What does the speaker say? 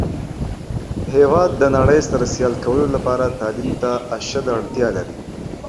هیواد د نړۍ سره سیال کولو لپاره تعلیم ته اشده اړتیا ده.